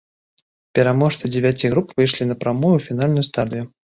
Пераможцы дзевяці груп выйшлі напрамую ў фінальную стадыю.